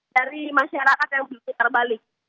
dari masyarakat yang belum terbalik